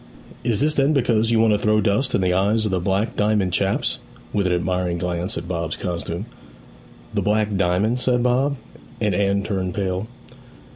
'Is this then because you want to throw dust in the eyes of the Black Diamond chaps?' (with an admiring glance at Bob's costume). 'The Black Diamond?' said Bob; and Anne turned pale.